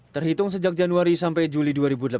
terhitung sejak januari sampai juli dua ribu delapan belas